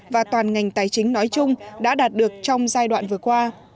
và toàn ngành tài chính nói chung đã đạt được trong giai đoạn vừa qua